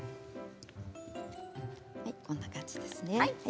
こんな感じですね。